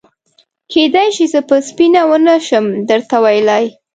کېدای شي زه به سپینه ونه شم درته ویلای.